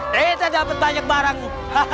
kita dapat banyak barangmu